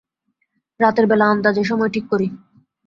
রাতের বেলা আন্দাজে সময় ঠিক করি।